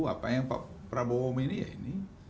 apa yang pak prabowo ini ya ini